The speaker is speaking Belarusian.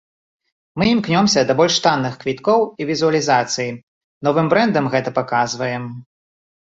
Мы імкнёмся да больш танных квіткоў і візуалізацый, новым брэндам, гэта паказваем.